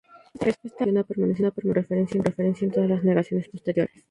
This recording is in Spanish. Esta resolución ha permanecido como referencia en todas las negociaciones posteriores.